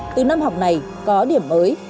từ năm học này có điểm mới